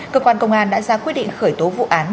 cơ quan công an đã ra quyết định khởi tố vụ án